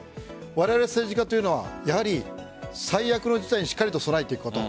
われわれ政治家はやはり最悪の事態にしっかりと備えていくこと。